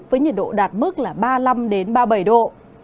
với nhiệt độ đạt mức là ba mươi năm ba mươi bảy độ